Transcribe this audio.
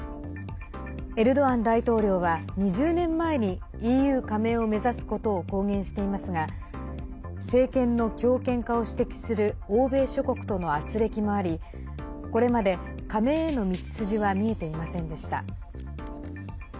エルドアン大統領は２０年前にＥＵ加盟を目指すことを公言していますが政権の強権化を指摘する欧米諸国とのあつれきもありこれまで加盟への道筋は見えていませんでした。